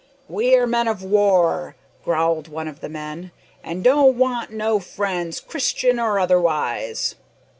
"We are men of war," growled one of the men, "an' don't want no friends, Christian or otherwise."